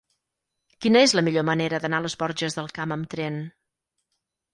Quina és la millor manera d'anar a les Borges del Camp amb tren?